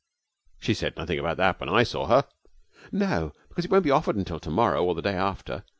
'She said nothing about that when I saw her.' 'No, because it won't be offered until to morrow or the day after.